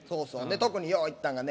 特によう行ったんがね